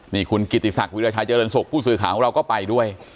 นี่คุณกิติศักดิราชัยเจริญสุขผู้สื่อข่าวของเราก็ไปด้วย